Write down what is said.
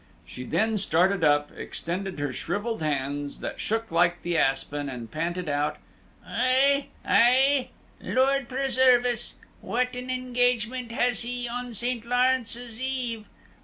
She then started up, extended her shrivelled hands, that shook like the aspen, and panted out: "Aih, aih? Lord preserve us! Whaten an engagement has he on St. Lawrence's Eve?